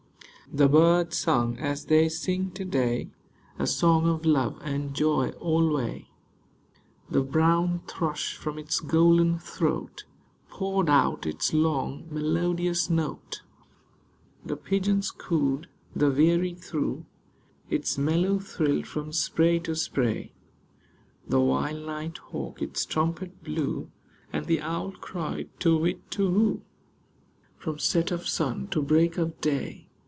The birds sung as they sing to day, A song of love and joy alway. The brown thrush from its golden throat Poured out its long, melodious note ; The pigeons cooed ; the veery threw Its mellow thrill from spray to spray ; The wild night hawk its trumpet blew, I08 THE RIVER OTTER And the owl cried, " Tu whit, tu whoo," From set of sun to break of day.